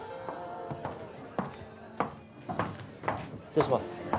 失礼します。